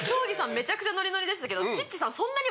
めちゃくちゃノリノリでしたけど。